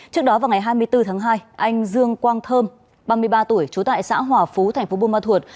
trước đó vào ngày hai mươi bốn tháng hai anh dương quang thơm ba mươi ba tuổi trú tại xã hòa phú thành phố buôn ma thuột